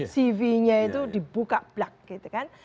cv nya itu dibuka blak gitu kan